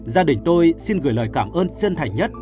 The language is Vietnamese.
gia đình tôi xin gửi lời cảm ơn chân thành nhất